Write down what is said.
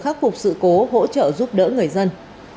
khắc phục sự cố hỗ trợ giúp đỡ người dân